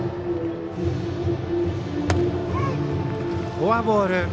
フォアボール。